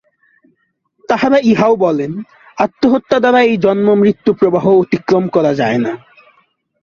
তাঁহারা ইহাও বলেন, আত্মহত্যা দ্বারা এই জন্মমৃত্যুপ্রবাহ অতিক্রম করা যায় না।